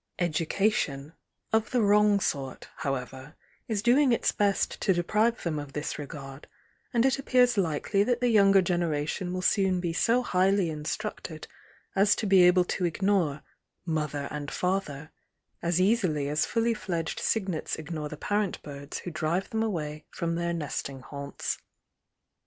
"Educa tion" of the wrong sort, however, is doing its best to deprive them of this regard, and it appears likely that the younger generation will soon be so highly instructed as to be able to ignore "mother and fa ther" as easily as full fledged cygnets ignore the parent birds who drive them away from tiieir nest ing haunts.